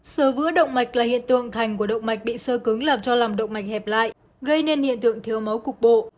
sơ vứa động mạch là hiện tượng thành của động mạch bị sơ cứng làm cho lòng động mạch hẹp lại gây nên hiện tượng thiếu máu cục bộ